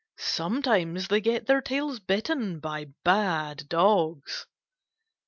Sometimes they get their tails bitten by bad dogs.